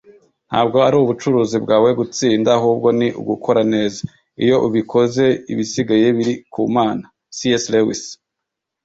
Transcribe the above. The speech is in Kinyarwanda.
ntabwo ari ubucuruzi bwawe gutsinda, ahubwo ni ugukora neza; iyo ubikoze, ibisigaye biri ku mana - c s lewis